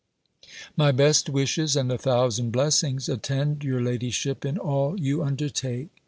My best wishes, and a thousand blessings, attend your ladyship in all you undertake!